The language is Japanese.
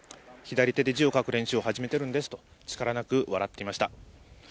左手で字を書く練習を始めているんですと、力なく笑っていました。